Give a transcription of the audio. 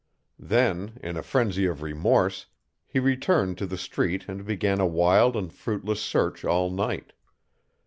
Then, in a frenzy of remorse, he returned to the street and began a wild and fruitless search all night.